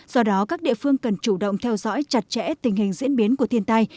do đó các địa phương cần chủ động theo dõi chặt chẽ tình hình diễn biến của thiên tai